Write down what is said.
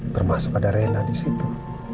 termasuk ada rena di situ